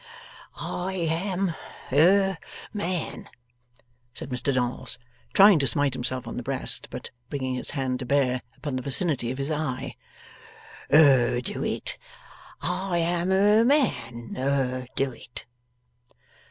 'I am er man,' said Mr Dolls, trying to smite himself on the breast, but bringing his hand to bear upon the vicinity of his eye, 'er do it. I am er man er do it.